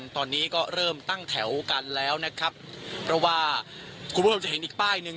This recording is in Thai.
ตอนนี้ก็เริ่มตั้งแถวกันแล้วนะครับเพราะว่าคุณผู้ชมจะเห็นอีกป้ายหนึ่ง